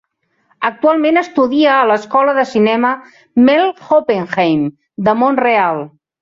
Actualment estudia a l'Escola de Cinema Mel Hoppenheim de Mont-real.